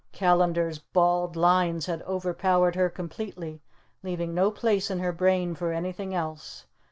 Callandar's bald lines had overpowered her completely, leaving no place in her brain for anything else.